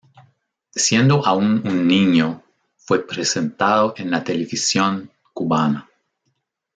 Siendo aún un niño, fue presentado en la televisión cubana.